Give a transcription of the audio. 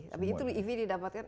tapi itu ev didapatkan